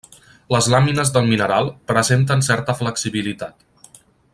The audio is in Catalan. Les làmines del mineral presenten certa flexibilitat.